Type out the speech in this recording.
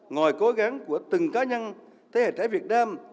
ngoài cố gắng của từng cá nhân thế hệ trẻ việt nam